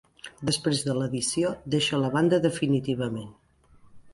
Després de l'edició, deixa la banda definitivament.